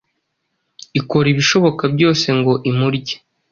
ikora ibishoboka byose ngo imurye,